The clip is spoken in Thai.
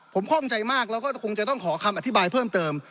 ผมคล่องใจมากแล้วก็คงจะต้องขอคำอธิบายเพิ่มเติม